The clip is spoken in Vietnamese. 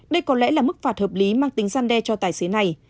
đây có lẽ là mức phạt hợp lý mang tính gian đe cho tài xế này